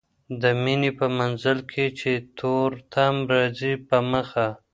د ميني په مزل کي چي تور تم راځي په مخه